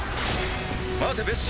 待てベッシ。